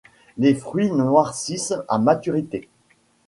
Les fruits noircissent à maturité.